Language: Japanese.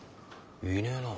いねえな。